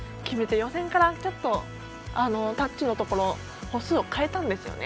予選からタッチのところ歩数を変えたんですね。